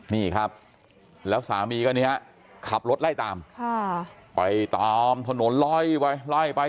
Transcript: นี่ครับแล้วสามีก็เนี่ยขับรถไล่ตามไปตามถนนไล่ไปไล่ไป